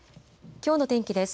きょうの天気です。